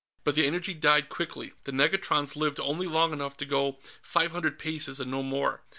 But the energy died quickly; the negatrons lived only long enough to go five hundred paces and no more.